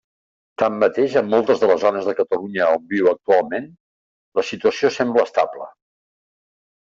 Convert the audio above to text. Tanmateix, en moltes de les zones de Catalunya on viu actualment, la situació sembla estable.